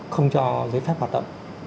không cho giới pháp hoạt động